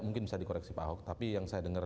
mungkin bisa dikoreksi pak ahok tapi yang saya dengar